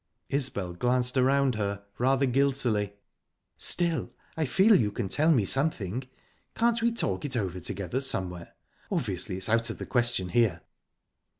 Isbel glanced around her rather guiltily. "Still, I feel you can tell me something. Can't we talk it over together, somewhere? Obviously it's out of the question here."